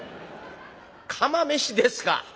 「釜飯ですか？」。